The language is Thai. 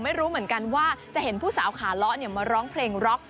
ไม่รู้เหมือนกันว่าจะเห็นผู้สาวขาเลาะมาร้องเพลงร็อก